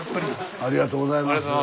ありがとうございます。